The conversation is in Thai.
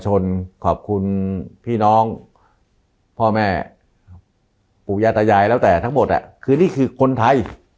ชนขอบคุณพี่น้องพ่อแม่อุยาธยาห์หรือแล้วแต่ทั้งหมดแหละคือนี่คือคนทัย